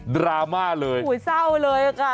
ดราม่าเลยโอ้โหเศร้าเลยค่ะ